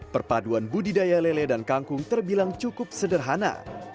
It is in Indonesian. perpaduan budidaya lele dan kangkung terbilang cukup sederhana